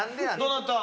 どなた？